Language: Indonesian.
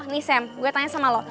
nih sam gue tanya sama lo